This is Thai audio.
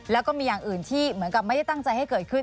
แล้วก็มีอย่างอื่นที่เหมือนกับไม่ได้ตั้งใจให้เกิดขึ้น